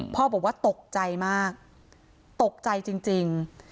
พ่อบอกว่าตกใจมากตกใจจริง